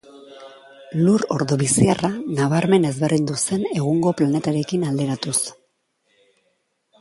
Lur Ordoviziarra nabarmen ezberdin zen egungo planetarekin alderatuz.